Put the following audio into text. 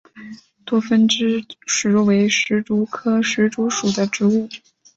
多分枝石竹为石竹科石竹属的植物。